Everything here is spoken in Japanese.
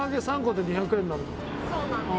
そうなんです。